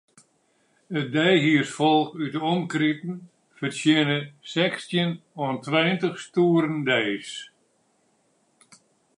It deihiersfolk út 'e omkriten fertsjinne sechstjin oant tweintich stoeren deis.